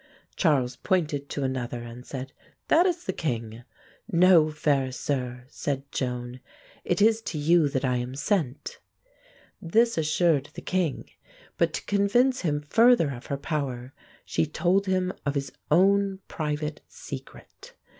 Charles pointed to another and said, "That is the king." "No, fair sir," said Joan, "It is to you that I am sent." This assured the king; but to convince him further of her power, she told him of his own private secret.